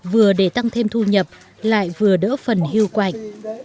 vừa để tăng thêm thu nhập lại vừa đỡ phần hưu quạnh